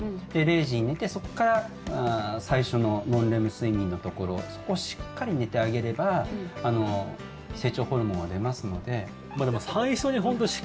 ０時に寝て、そこから最初のノンレム睡眠のところそこをしっかり寝てあげれば成長ホルモンは出ますので。